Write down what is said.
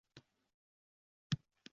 So‘ng uni bag‘riga bosdi.